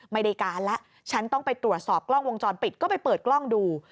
ไม่ได้การแล้วฉันต้องไปตรวจสอบกล้องวงจรปิดก็ไปเปิดกล้องดู